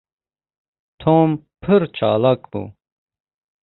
Tom pir çalak bû.